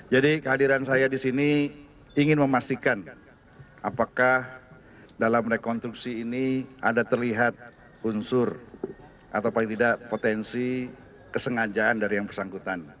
jadi kehadiran saya di sini ingin memastikan apakah dalam rekonstruksi ini ada terlihat unsur atau paling tidak potensi kesengajaan dari yang bersangkutan